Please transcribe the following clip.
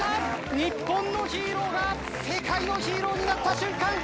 日本のヒーローが、世界のヒーローになった瞬間。